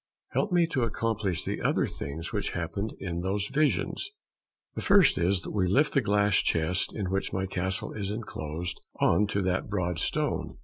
Help me to accomplish the other things which happened in those visions. The first is that we lift the glass chest in which my castle is enclosed, on to that broad stone."